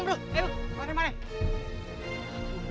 bro ada penculik dong bro